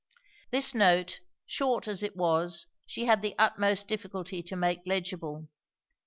_ This note, short as it was, she had the utmost difficulty to make legible.